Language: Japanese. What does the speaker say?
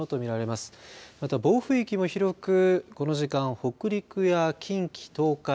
また暴風域も広くこの時間、北陸や近畿、東海